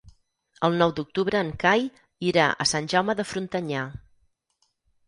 El nou d'octubre en Cai irà a Sant Jaume de Frontanyà.